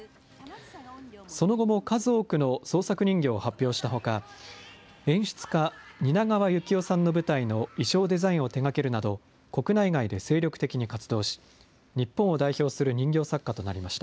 その後も数多くの創作人形を発表したほか、演出家、蜷川幸雄さんの舞台の衣装デザインを手がけるなど、国内外で精力的に活動し、日本を代表する人形作家となりました。